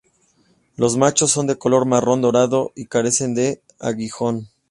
Los machos son de color marrón dorado y carecen de aguijón.